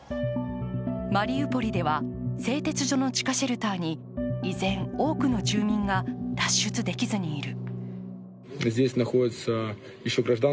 マリウポリでは製鉄所の地下シェルターに依然、多くの住民が脱出できずにいる。